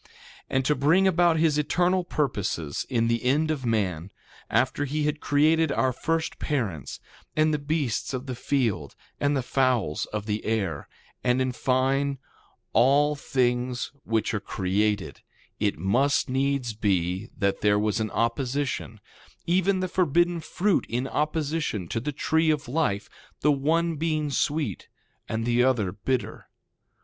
2:15 And to bring about his eternal purposes in the end of man, after he had created our first parents, and the beasts of the field and the fowls of the air, and in fine, all things which are created, it must needs be that there was an opposition; even the forbidden fruit in opposition to the tree of life; the one being sweet and the other bitter.